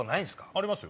ありますよ。